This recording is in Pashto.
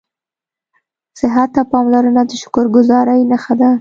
صحت ته پاملرنه د شکرګذارۍ نښه ده